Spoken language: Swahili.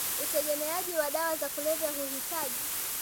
utegemeaji wa dawa za kulevya huhitaji